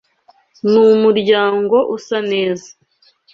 Numuryango usa neza.